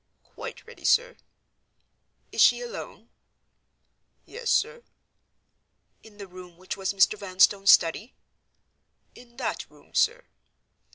"Quite ready, sir." "Is she alone?" "Yes, sir." "In the room which was Mr. Vanstone's study?" "In that room, sir."